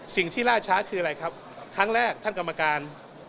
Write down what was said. สิ่งที่ล่าช้าคืออะไรครับครั้งแรกท่านกรรมการ